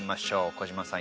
児嶋さん